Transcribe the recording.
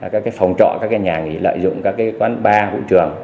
các phòng trọ các nhà nghỉ lợi dụng các quán bar vũ trường